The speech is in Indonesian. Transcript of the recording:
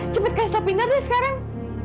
cepat berhenti pindah sekarang